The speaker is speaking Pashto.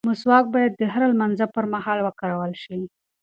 مسواک باید د هر لمانځه پر مهال وکارول شي.